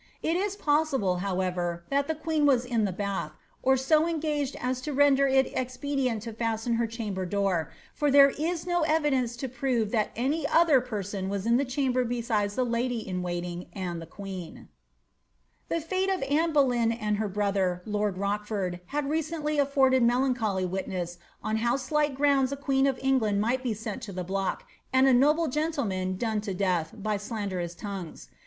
It is possi ble, however, that the queen was in the bath, or so engaged as to ren der it expedient to fasten her chamber door, for there is no evidence to prove that any other person was in the chamber besides the lady in waiting and the queen. > MSS. in State Paper Office, 33 Henry VIIL •6tM» Paper MS. 33 Heory VIIL 312 KATHAEINB HOWARD, The hie of Anne BoIe3m and her brother, lord Rochford, had recentl? afforded melancholy witness on how slight grounds a queen of England might be sent to the block, and a noble gentleman ^done to death" bv slanderous tongues.